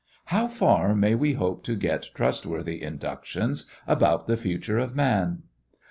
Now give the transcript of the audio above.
How far may we hope to get trustworthy inductions about the future of man?